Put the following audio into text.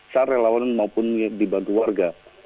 sar relawan maupun dibantu warga